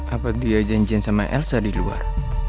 apa dia janjian sama elsa diluar